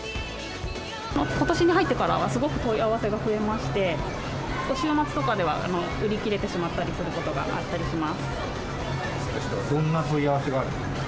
ことしに入ってからは、すごく問い合わせが増えまして、ことしの夏とかでは、売り切れてしまったりすることがあったりしどんな問い合わせがあるんですか？